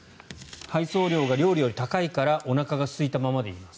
配送料が料理より高いからおなかがすいたままでいます。